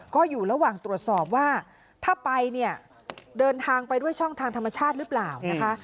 ก็อยู่ระหว่างตรวจสอบว่าถ้าไปเนี่ยเดินทางไปด้วยช่องทางธรรมชาติหรือเปล่านะคะ